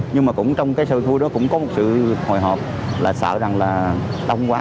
nhưng mà trong cái sự vui đó cũng có một sự hồi hộp là sợ rằng là đông quá